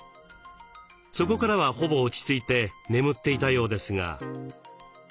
そこからはほぼ落ち着いて眠っていたようですが。